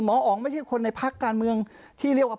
อ๋องไม่ใช่คนในพักการเมืองที่เรียกว่า